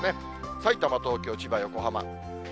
さいたま、東京、千葉、横浜。